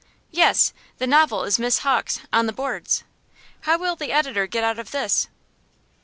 'Yes. The novel is Miss Hawk's "On the Boards." How will the editor get out of this?